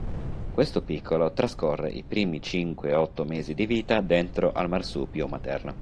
Questo piccolo trascorre i primi cinque-otto mesi di vita dentro al marsupio materno.